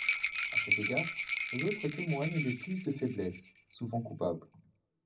À cet égard, les autres témoignent de plus de faiblesses, souvent coupables.